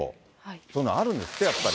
そういうのあるんですって、やっぱり。